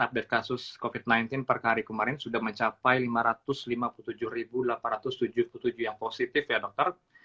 update kasus covid sembilan belas per hari kemarin sudah mencapai lima ratus lima puluh tujuh delapan ratus tujuh puluh tujuh yang positif ya dokter